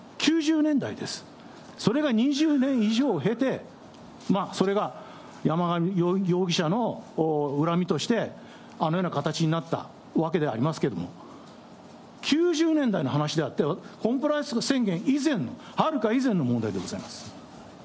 それが２０年以上経て、それが山上容疑者の恨みとしてあのような形になったわけでありますけれども、９０年代の話であって、コンプライアンス宣言以前の、はるか以前の問題でございます。